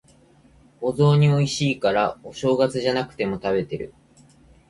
お雑煮美味しいから、お正月じゃなくても食べてる。